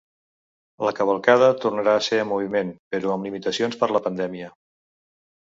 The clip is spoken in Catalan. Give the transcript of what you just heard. La cavalcada tornarà a ser en moviment, però amb limitacions per la pandèmia.